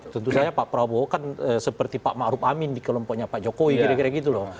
tentu saja pak prabowo kan seperti pak ⁇ maruf ⁇ amin di kelompoknya pak jokowi kira kira gitu loh